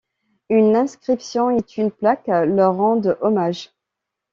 Une inscription et une plaque leur rendent hommage.